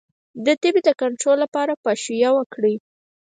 د تبې د کنټرول لپاره پاشویه وکړئ